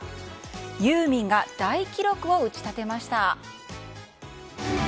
ユーミンが大記録を打ち立てました。